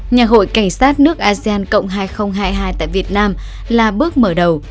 nhà hội cảnh sát nước asean cộng hai nghìn hai mươi hai tại việt nam là bước mở đầu